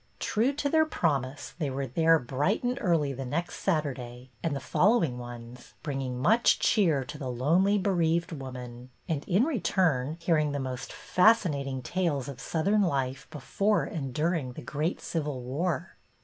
True to their promise, they were there bright and early the next Saturday and the following ones, bringing much cheer to the lonely, bereaved woman ; and in return hear ing the most fascinating tales of Southern life before and during the great civil war.